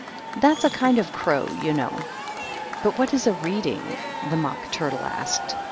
That's a kind of a crow, you know." " But what is a ' Reading' f the Mock Turtle asked.